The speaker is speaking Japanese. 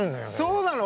そうなの？